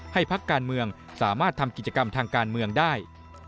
พักการเมืองสามารถทำกิจกรรมทางการเมืองได้